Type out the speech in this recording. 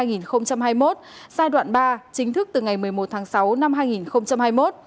giai đoạn ba chính thức từ ngày một mươi một tháng sáu năm hai nghìn hai mươi một